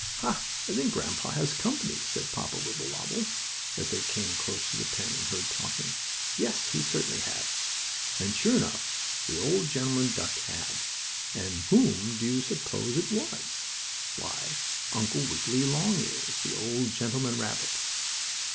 "Ha, I think grandpa has company," said Papa Wibblewobble, as they came close to the pen and heard talking. "Yes, he certainly has." And, sure enough, the old gentleman duck had. And whom do you suppose it was? My Uncle Wiggily Longears, the old gentleman rabbit!